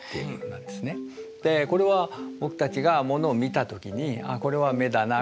これは僕たちがモノを見た時に「あこれは目だな。